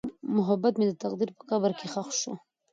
محبت مې د تقدیر په قبر کې ښخ شو.